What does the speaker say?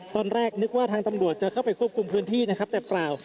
ตอนแรกนึกว่าทางตำรวจจะเข้าไปควบคุมพื้นที่นะครับแต่เปล่า